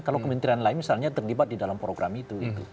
kalau kementerian lain misalnya terlibat di dalam program itu